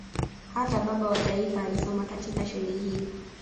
Hata baba wa taifa alisoma katika shule hii